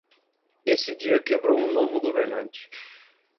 Esse dia quebrou o novo governante.